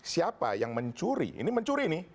siapa yang mencuri ini mencuri nih